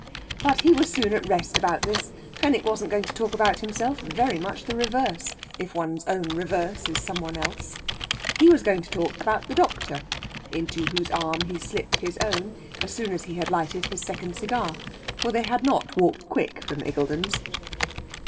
But he was soon at rest about this. Fenwick wasn't going to talk about himself. Very much the reverse, if one's own reverse is some one else. He was going to talk about the doctor, into whose arm he slipped his own as soon as he had lighted his second cigar. For they had not walked quick from Iggulden's.